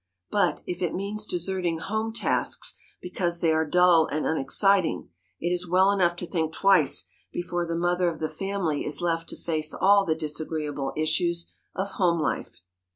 But if it means deserting home tasks because they are dull and unexciting, it is well enough to think twice before the mother of the family is left to face all the disagreeable issues of home life.